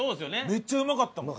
めっちゃうまかったもん。